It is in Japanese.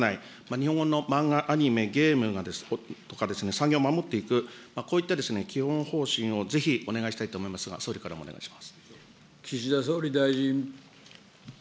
日本の漫画、アニメ、ゲームとかの産業を守っていく、こういった基本方針をぜひお願いしたいと思いますが、岸田総理大臣。